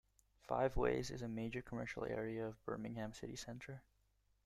Five Ways is a major commercial area of Birmingham city centre.